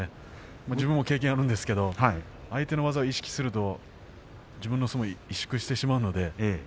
自分の経験があるんですが相手の技を意識すると自分の相撲が萎縮してしまいます。